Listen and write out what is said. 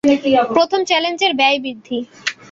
প্রথম চ্যালেঞ্জ এর ব্যয় বৃদ্ধি।